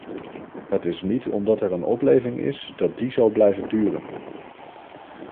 Het is niet omdat er een opleving is, dat die zal blijven duren.